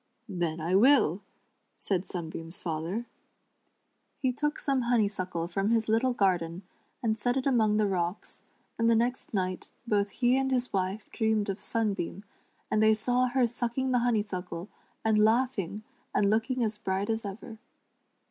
"* "Then I will," said Sunbeam's father. 78 SUNBEAM AND HER WHITE RABBIT. He toolc some 'iioneysuckle from his little garden, and set it among the rocks, and the next night both he and his wife dreamed of Sunbeam, and they saw her sucking the honeysuckle, and laughing, and look ing as bright as ever.